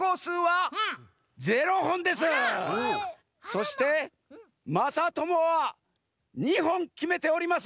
そしてまさともは２ほんきめております。